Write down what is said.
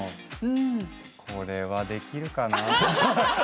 これはできるかな？